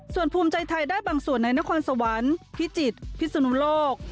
ส่วนภูมิใจไทยได้บางส่วนในนครสวรรค์พิจิตรพิศนุโลก